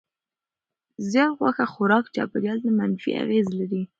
زیات غوښه خوراک چاپیریال ته منفي اغېز لري.